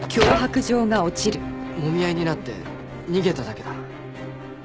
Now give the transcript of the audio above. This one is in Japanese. もみ合いになって逃げただけだ。